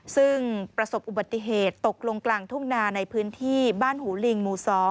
ซึ่งประสบอุบัติเหตุตกลงกลางทุ่งนาในพื้นที่บ้านหูลิงหมู่๒